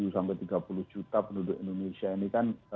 dua ratus dua puluh tujuh sampai tiga puluh juta penduduk indonesia ini kan